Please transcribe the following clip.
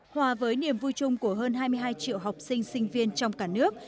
hòa với niềm vui chung của hơn hai mươi hai triệu học sinh sinh viên trong cả nước